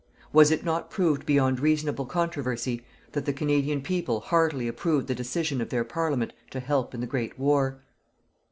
Was it not proved beyond reasonable controversy, that the Canadian people heartily approved the decision of their Parliament to help in the great war?